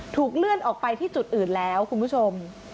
เลื่อนออกไปที่จุดอื่นแล้วคุณผู้ชม